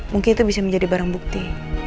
mungkin itu bisa menjadi barang bukti